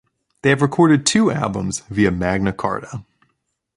They have recorded two albums via Magna Carta.